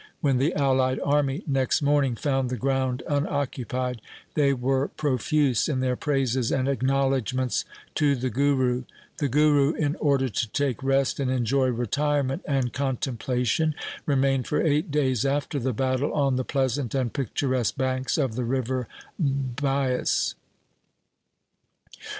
When the allied army next morning found the ground un occupied, they were profuse in their praises and acknowledgements to the Guru. The Guru in order to take rest and enjoy retirement and contemplation remained for eight days after the battle on the pleasant and picturesque banks of the river Bias.